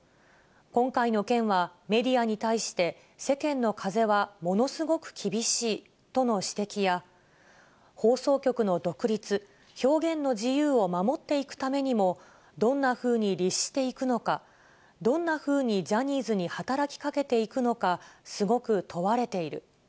今回の件はメディアに対して、世間の風はものすごく厳しいとの指摘や、放送局の独立、表現の自由を守っていくためにも、どんなふうに律していくのか、どんなふうにジャニーズに働きかけていくのか、すごく問われている。